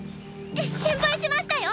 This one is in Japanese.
心配しましたよ！